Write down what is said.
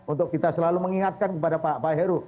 untuk kita selalu mengingatkan kepada pak heru